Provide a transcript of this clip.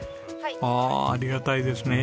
ああありがたいですねえ。